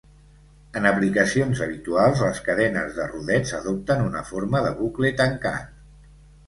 En aplicacions habituals les cadenes de rodets adopten una forma de bucle tancat.